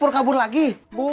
hahaha gatur ih ya dia juga